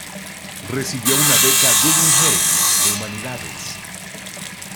Recibió una beca Guggenheim de Humanidades.